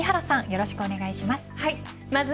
よろしくお願いします。